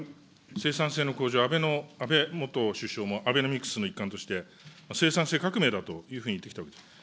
生産性の向上、安倍元首相もアベノミクスの一環として、生産性革命だというふうに言ってきたわけです。